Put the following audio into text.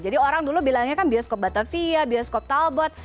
jadi orang dulu bilangnya kan bioskop batavia bioskop talbot